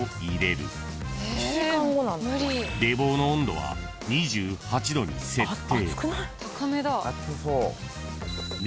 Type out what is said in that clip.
［冷房の温度は２８℃に設定］